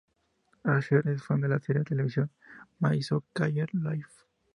Asher es fan de la serie de televisión "My So-Called Life".